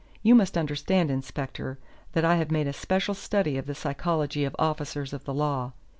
You must understand, inspector, that I have made a special study of the psychology of officers of the law.